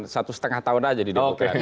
satu setengah tahun aja di demokrat